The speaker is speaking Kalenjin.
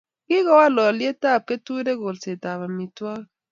Kikowal olyetab keturek kolsetab amitwogik